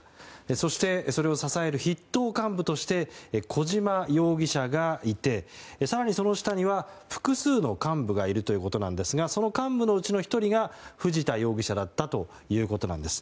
そして、それを支える筆頭幹部として小島容疑者がいて更にその下には複数の幹部がいるということなんですがその幹部のうちの１人が藤田容疑者だったということなんです。